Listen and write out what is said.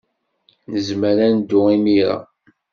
Nezmer ad neddu imir-a?